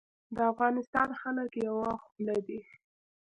د افغانستان خلک یوه خوله دي